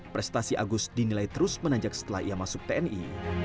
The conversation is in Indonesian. prestasi agus dinilai terus menanjak setelah ia masuk tni